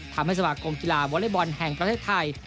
สมาคมกีฬาวอเล็กบอลแห่งประเทศไทย